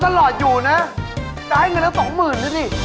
ถ้าทะลอดอยู่นะจะให้เงินละ๒๐๐๐๐บาทนี่